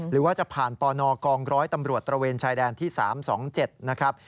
หรือว่าจะผ่านปนกองร้อยตำรวจตระเวนชายแดนที่๓๒๗นะครับ